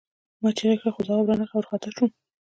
ما چیغې کړې خو ځواب را نغی او وارخطا شوم